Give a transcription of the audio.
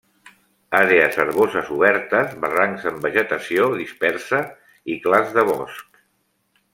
Àrees herboses obertes, barrancs amb vegetació dispersa i clars de bosc.